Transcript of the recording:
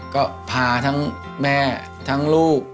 ก็พาทั้งแม่ลูก